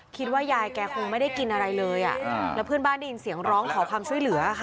คิดว่ายายแกคงไม่ได้กินอะไรเลยอ่ะแล้วเพื่อนบ้านได้ยินเสียงร้องขอความช่วยเหลือค่ะ